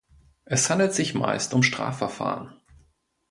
Es handelt sich meist um Strafverfahren.